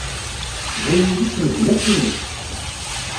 Bu-yiles medden yakk ines!